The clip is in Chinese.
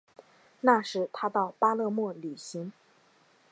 那时他到巴勒莫旅行。